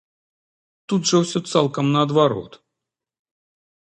Тут жа ўсё цалкам наадварот.